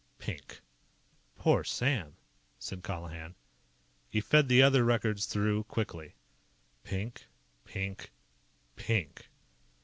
Pink. "Poor Sam!" said Colihan. He fed the other records through quickly. Pink. Pink. PINK.